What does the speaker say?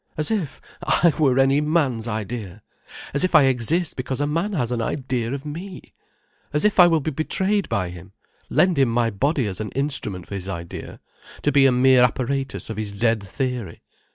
As if I were any man's idea! As if I exist because a man has an idea of me! As if I will be betrayed by him, lend him my body as an instrument for his idea, to be a mere apparatus of his dead theory.